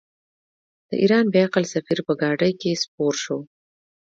د ایران بې عقل سفیر په ګاډۍ کې سپور شو.